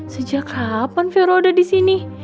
sejak kapan vero udah disini